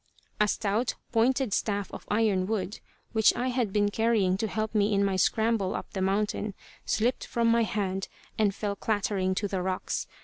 A stout, pointed staff of iron wood, which I had been carrying to help me in my scramble up the mountain, slipped from my hand and fell clattering to the rocks.